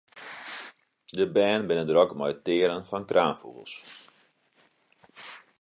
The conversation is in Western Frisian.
De bern binne drok mei it tearen fan kraanfûgels.